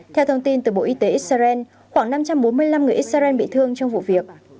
theo thông tin từ bộ y tế israel khoảng năm trăm bốn mươi năm người israel bị thương trong vụ việc